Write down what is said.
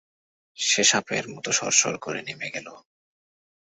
সে সাপের মতো সরসর করে নেমে এল।